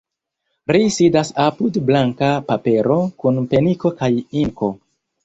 Ri sidas apud blanka papero, kun peniko kaj inko.